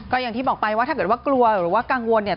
ก็อย่างที่บอกไปว่าถ้าเกิดว่ากลัวหรือว่ากังวลเนี่ย